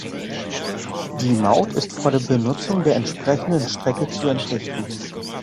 Die Maut ist vor der Benutzung der entsprechenden Strecke zu entrichten.